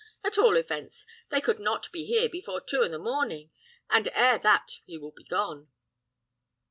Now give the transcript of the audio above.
At all events, they could not be here before two i' the morning, and ere that he will be gone.